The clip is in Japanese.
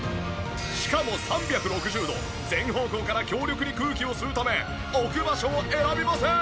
しかも３６０度全方向から強力に空気を吸うため置く場所を選びません。